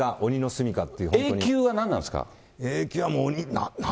Ａ級は何なんですか。